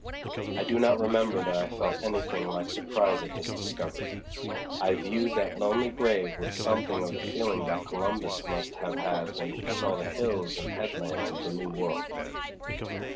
I do not remember that I felt anything like surprise at this discovery. I viewed that lonely grave with something of the feeling that Columbus must have had when he saw the hills and headlands of the new world.